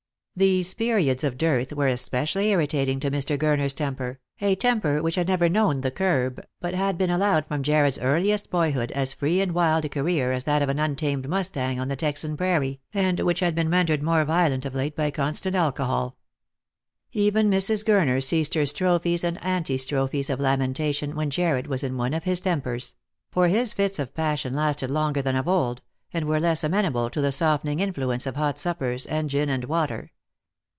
These periods of dearth were especially irritating to Mr. Gur ner's temper, a temper which had never known the curb, but had been allowed from Jarred's earliest boyhood as free and wild a career as that of an untamed mustang on the Texan prairie, and which had been rendered more violent of late by constant alcohol. Even Mrs. Gurner ceased her strophes and antistrophes of lamentation when Jarred was in one of his tempers ; for his fits of passion lasted longer than of old, and were less amenable to the softening influence of hot suppers and gin and water.